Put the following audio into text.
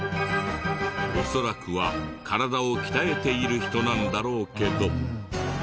恐らくは体を鍛えている人なんだろうけど。